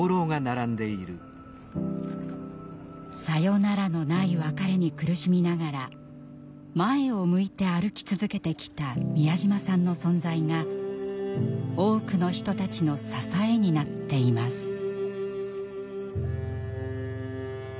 「さよならのない別れ」に苦しみながら前を向いて歩き続けてきた美谷島さんの存在が多くの人たちの支えになっています。